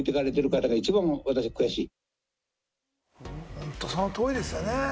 本当、その通りですよね。